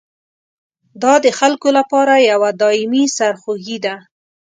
دا د خلکو لپاره یوه دایمي سرخوږي ده.